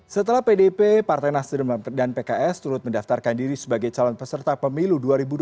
setelah pdp partai nasdem dan pks turut mendaftarkan diri sebagai calon peserta pemilu dua ribu dua puluh